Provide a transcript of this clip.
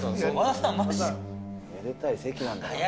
めでたい席なんだからさ。